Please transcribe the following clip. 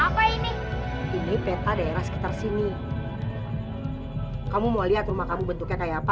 apa ini ini peta daerah sekitar sini kamu mau lihat rumah kamu bentuknya kayak apa